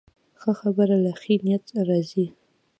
ښه خبرې له ښې نیت راځي